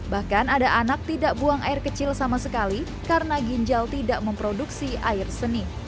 bahkan ada anak tidak buang air kecil sama sekali karena ginjal tidak memproduksi air seni